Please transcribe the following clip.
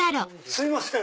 すいません